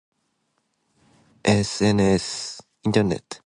SNS. Internet.